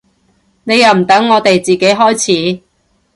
你又唔等我哋自己開始